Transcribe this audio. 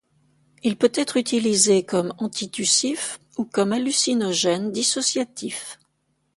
Il peut être utilisé comme antitussif ou comme hallucinogène dissociatif.